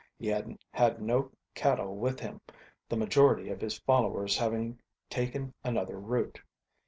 He had had no cattle with him, the majority of his followers having taken another route.